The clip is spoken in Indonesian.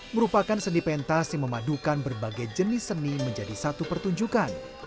merupakan seni pentas yang memadukan berbagai jenis seni menjadi satu pertunjukan